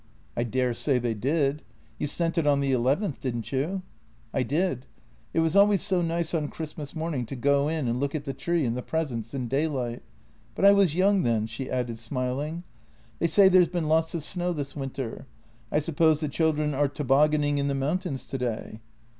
" I daresay they did. You sent it on the eleventh, didn't you ?"" I did. It was always so nice on Christmas morning to go in and look at the tree and the presents in daylight — but I was young then," she added, smiling. " They say there's been lots of snow this winter. I suppose the children are tobaggan ing in the mountains today."